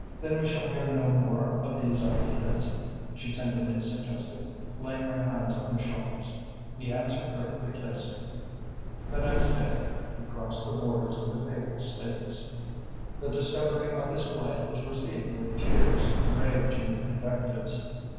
"Then we shall hear no more of these ideas?" she tenderly suggested, laying her hands on his shoulders. He answered her with a kiss. The next day he crossed the borders of the Papal States. The discovery of his flight was received with tears, rage, and invectives.